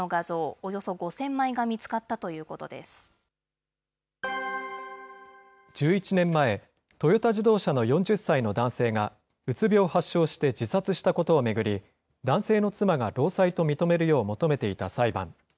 およそ５０００枚が見１１年前、トヨタ自動車の４０歳の男性が、うつ病を発症して自殺したことを巡り、男性の妻が労災と認めるよう求めていた裁判。